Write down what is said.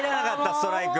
ストライク。